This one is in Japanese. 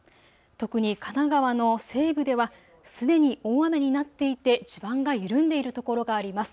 特に神奈川の西部では、すでに大雨になっていて地盤が緩んでいる所があります。